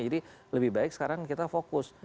jadi lebih baik sekarang kita fokus